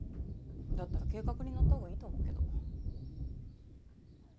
だったら計画に乗った方がいいと思うけど。